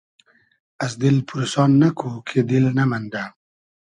از دیل پورسان نئکو کی دیل نئمئندۂ